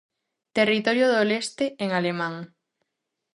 'Territorio do Leste' en alemán.